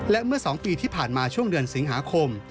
และเมื่อ๒ปีที่ผ่านมาช่วงเดือนสิงหาคม